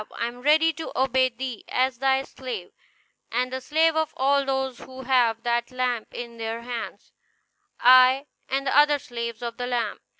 I am ready to obey thee as thy slave, and the slave of all those who have that lamp in their hands; I and the other slaves of the lamp."